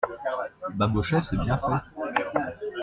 Babochet C'est bien fait !